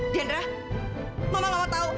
dianera mama mau tau